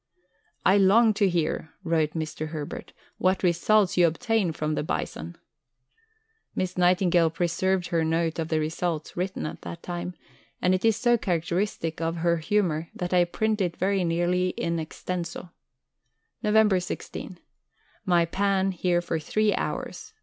"I long to hear," wrote Mr. Herbert, "what results you obtain from the Bison." Miss Nightingale preserved her note of the results written at the time, and it is so characteristic of her humour that I print it very nearly in extenso: [Nov. 16.] My "Pan" here for three hours.